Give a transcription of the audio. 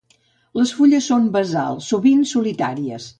Les fulles són basals, sovint solitàries.